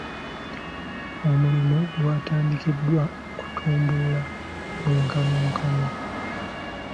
Omulimu gwatandikiddwa kutumbula mwenkanonkano.